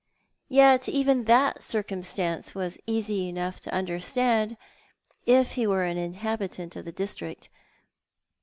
Yet even that circumstance was easy enough to understand if ho wore an inhabitant of the district.